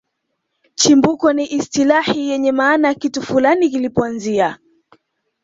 Chimbuko ni istilahi yenye maana ya kitu fulani kilipoanzia